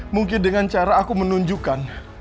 mungkin dengan cara aku menunjukkan